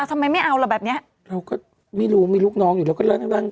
อ่าทำไมไม่เอาแบบเนี้ยเราก็ไม่รู้มีลูกน้องอยู่แล้วก็เร่งเร่ง